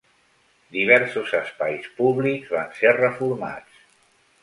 Diversos espais públics van ser reformats.